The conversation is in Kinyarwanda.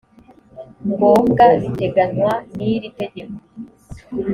ngombwa biteganywa n iri tegeko